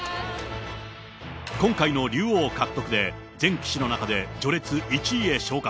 今回の竜王獲得で、全棋士の中で序列１位へ昇格。